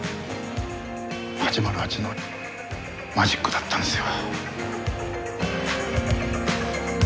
８０８のマジックだったんですよ。